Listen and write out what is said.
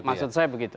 ya maksud saya begitu